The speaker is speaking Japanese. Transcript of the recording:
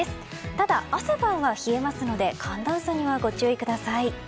ただ、朝晩は冷えますので寒暖差にはご注意ください。